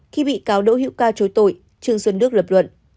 khi bị cáo đỗ hữu ca chối tội trương xuân đức lập luận